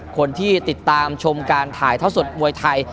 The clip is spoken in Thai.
คนที่ติดตามชมการถ่ายท่อสดมวยไทย